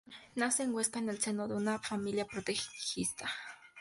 Nace en Huesca en el seno de una familia progresista.